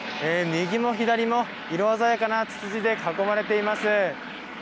右も左も色鮮やかなツツジで囲まれています。